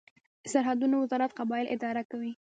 د سرحدونو وزارت قبایل اداره کوي